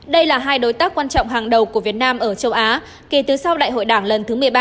đây là hai đối tác quan trọng hàng đầu của việt nam ở châu á kể từ sau đại hội đảng lần thứ một mươi ba